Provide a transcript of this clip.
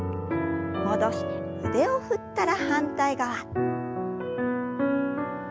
戻して腕を振ったら反対側。